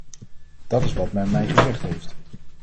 Dat is wat men mij gezegd heeft.